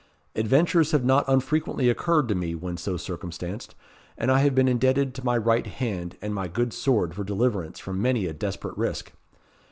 Adventures have not unfrequently occurred to me when so circumstanced, and I have been indebted to my right hand and my good sword for deliverance from many a desperate risk.